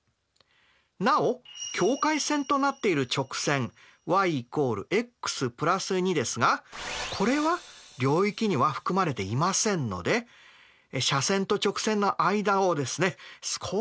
なお境界線となっている直線ｙ＝ｘ＋２ですがこれは領域には含まれていませんので斜線と直線の間をですね少し空けておきます。